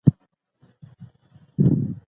په دغه کوڅې کي هر سهار یو سړی اواز کوي.